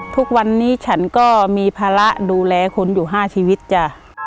ทุกวันนี้ฉันก็มีภาระดูแลคุณอยู่๕ชีวิตจ้ะ